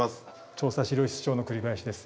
調査史料室長の栗林です。